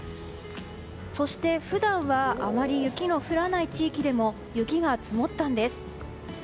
そして、普段はあまり雪の降らない地域でも雪が積もったんです。